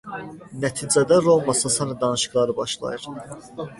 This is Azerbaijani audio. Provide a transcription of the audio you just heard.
Nəticədə Roma–Sasani danışıqları başlayır.